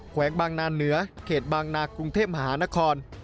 แวงบางนานเหนือเขตบางนากรุงเทพมหานคร